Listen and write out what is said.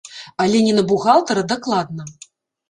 Але не на бухгалтара дакладна.